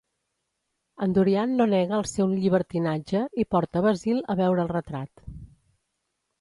En Dorian no nega el seu llibertinatge, i porta Basil a veure el retrat.